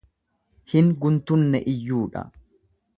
Hin guntunne iyyuu dha.